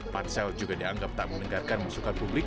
pansel juga dianggap tak mendengarkan masukan publik